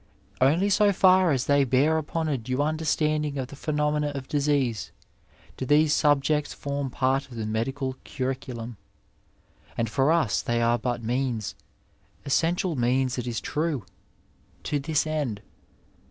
Only so far as they bear upon a due understanding of the phenomena of disease do these subjects form part of the medical curriculum, and for us they are but means— essential means it is true — to this end.